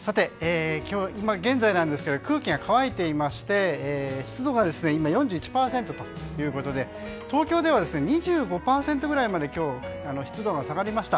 今現在空気が乾いていまして湿度が今４１％ということで東京では２５％ぐらいまで今日、湿度が下がりました。